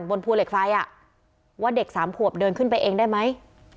บนภูเหล็กไฟว่าเด็กสามขวบเดินขึ้นไปเองได้ไหม